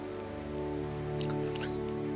จริงเขา